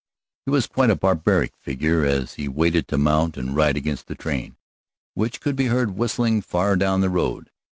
He was quite a barbaric figure as he waited to mount and ride against the train, which could be heard whistling far down the road.